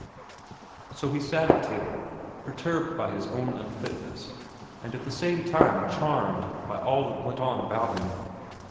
So he sat at table, perturbed by his own unfitness and at the same time charmed by all that went on about him.